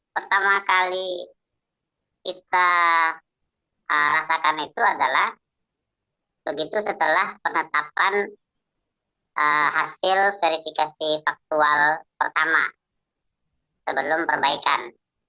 pertama kali kita rasakan itu adalah begitu setelah penetapan hasil verifikasi faktual pertama sebelum perbaikan